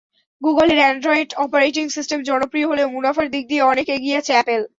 গুগলের Android operating system জনপ্রিয় হলেও মুনাফার দিক দিয়ে অনেক এগিয়ে আছে অ্যাপল।